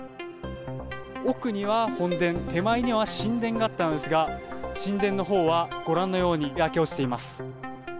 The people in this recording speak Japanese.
奥には本殿、手前には神殿があったんですが、神殿のほうはご覧のように焼け落ちています。